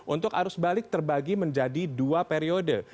untuk arus balik terbagi menjadi dua periode